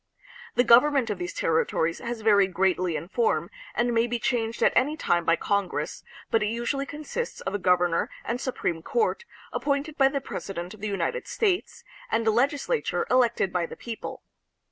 1 The government of these territories has varied greatly in form and may be changed at any time by Congress, but it usually consists of a governor and supreme court, appointed by the president of the United States, and a legislature elected by the people.